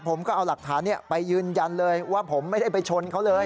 ผมก็เอาหลักฐานไปยืนยันเลยว่าผมไม่ได้ไปชนเขาเลย